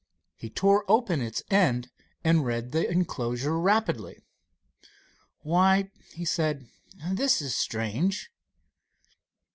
He tore open its end and read the enclosure rapidly. "Why," he said, "this is strange."